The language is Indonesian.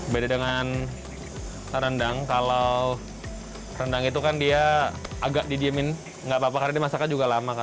beda dengan rendang kalau rendang itu kan dia agak didiemin nggak apa apa karena dimasaknya juga lama